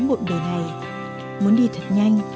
một đời này muốn đi thật nhanh